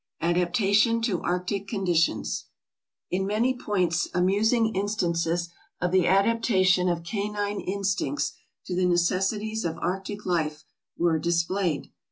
Adaptation to Arctic Conditions "In many points amusing instances of the adaptation of canine instincts to the necessities of arctic life were displayed.